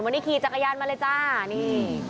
วันนี้ขี่จักรยานมาเลยจ้านี่